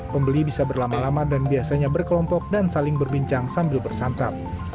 pembeli bisa berlama lama dan biasanya berkelompok dan saling berbincang sambil bersantap